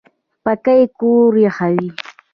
پکۍ کور یخوي